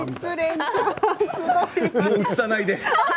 もう映さないで！